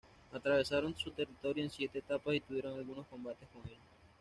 Atravesaron su territorio en siete etapas y tuvieron algunos combates con ellos.